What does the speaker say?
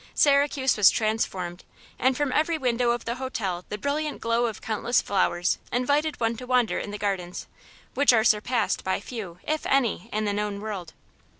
Syracuse was transformed, and from every window of the hotel the brilliant glow of countless flowers invited one to wander in the gardens, which are surpassed by few if any in the known world.